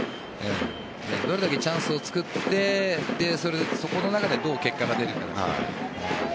どれだけチャンスをつくってその中でどう結果が出るのか。